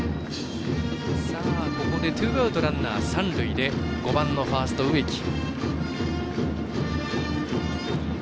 ツーアウト、ランナー、三塁で５番のファースト、植木。